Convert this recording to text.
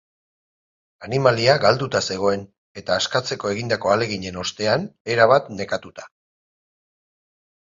Animalia galduta zegoen, eta askatzeko egindako ahaleginen ostean erabat nekatuta.